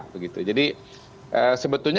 begitu jadi sebetulnya